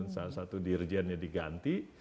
salah satu dirjiannya diganti